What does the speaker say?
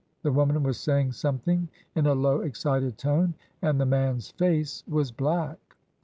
The woman was saying something in a low, excited tone, and the man's face was black.